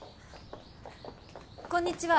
こんにちは。